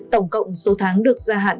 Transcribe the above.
tổng cộng số tháng được gia hạn